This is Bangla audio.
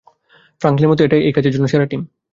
ফ্র্যাঙ্কলিনের মতে এটাই এই কাজের জন্য সেরা টিম।